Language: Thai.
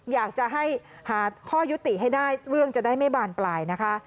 อยากจะให้หาข้อยุติให้ได้เรื่องจะได้ไม่บานปลายนะคะ